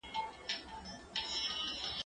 زه به زدکړه کړې وي!؟